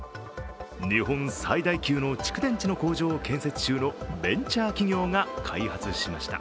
日本最大級の蓄電池の工場を建設中のベンチャー企業が開発しました。